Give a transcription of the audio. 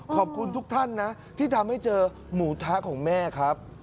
ขอบคุณทุกท่านนะที่ทำให้เจอหมูทะของแม่ครับ